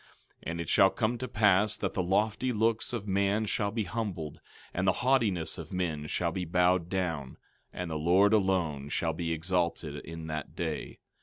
12:11 And it shall come to pass that the lofty looks of man shall be humbled, and the haughtiness of men shall be bowed down, and the Lord alone shall be exalted in that day.